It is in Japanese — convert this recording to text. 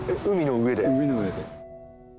海の上で。